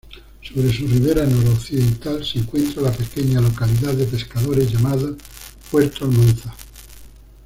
Sobre su ribera noroccidental se encuentra la pequeña localidad de pescadores llamada puerto Almanza.